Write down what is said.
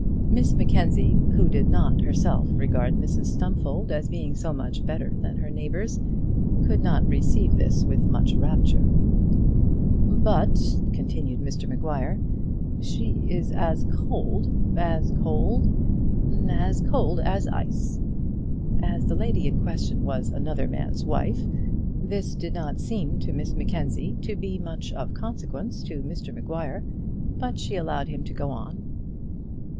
Miss Mackenzie, who did not herself regard Mrs Stumfold as being so much better than her neighbours, could not receive this with much rapture. "But," continued Mr Maguire, "she is as cold as cold as cold as ice." As the lady in question was another man's wife, this did not seem to Miss Mackenzie to be of much consequence to Mr Maguire, but she allowed him to go on.